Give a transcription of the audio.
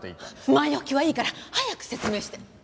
前置きはいいから早く説明して。